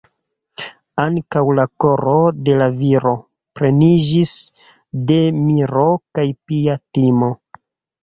Ankaŭ la koro de la viro pleniĝis de miro kaj pia timo.